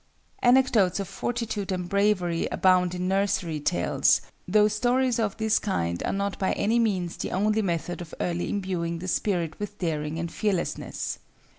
Anecdotes of fortitude and bravery abound in nursery tales, though stories of this kind are not by any means the only method of early imbuing the spirit with daring and fearlessness.